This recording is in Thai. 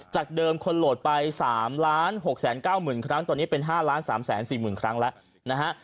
เดิมคนโหลดไป๓๖๙๐๐๐ครั้งตอนนี้เป็น๕๓๔๐๐๐ครั้งแล้วนะฮะ